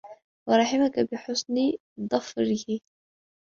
وَرَحِمَك بِحُسْنِ ظَفَرِهِ